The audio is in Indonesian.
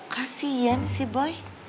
kasian si boy